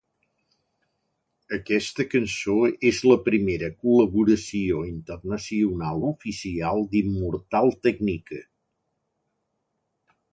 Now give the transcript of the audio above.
Aquesta cançó és la primera col·laboració internacional oficial d'Immortal Technique.